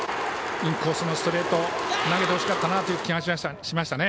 インコースのストレート投げてほしかったなという気がしましたね。